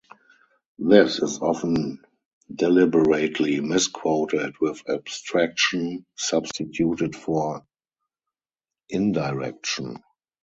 This is often deliberately misquoted with "abstraction" substituted for "indirection".